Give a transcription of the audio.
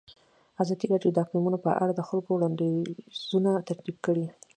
ازادي راډیو د اقلیتونه په اړه د خلکو وړاندیزونه ترتیب کړي.